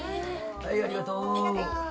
はいありがとう。